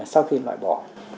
sau khi loại bỏ